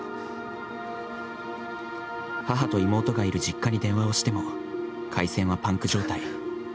母と妹がいる実家に電話をしても回線はパンク状態。